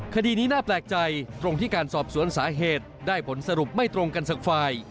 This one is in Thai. คดีนี้น่าแปลกใจตรงที่การสอบสวนสาเหตุได้ผลสรุปไม่ตรงกันสักฝ่าย